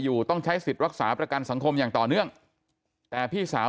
ต้องใช้สิทธิ์รักษาประกันสังคมอย่างต่อเนื่องแต่พี่สาว